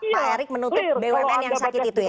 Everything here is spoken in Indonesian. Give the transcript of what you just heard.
pak erik menutup bumn yang sakit itu ya